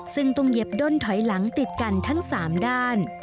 ซึ่งต้องเย็บด้นถอยหลังติดกันทั้ง๓ด้าน